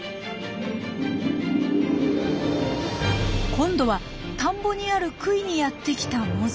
今度は田んぼにある杭にやって来たモズ。